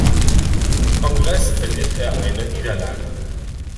Kongress erlitt er eine Niederlage.